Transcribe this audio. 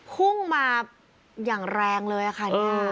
พุ่งมาอย่างแรงเลยค่ะเนี่ย